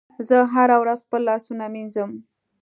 زه هره ورځ خپل لاسونه مینځم.